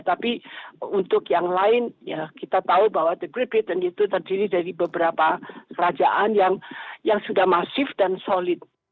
tapi untuk yang lain ya kita tahu bahwa the greebitden itu terdiri dari beberapa kerajaan yang sudah masif dan solid